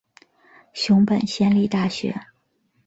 熊本县立大学